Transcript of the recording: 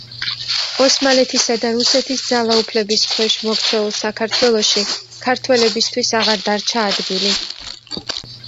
ოსმალეთისა და რუსეთის ძალაუფლების ქვეშ მოქცეულ საქართველოში ქართველებისთვის აღარ დარჩა ადგილი.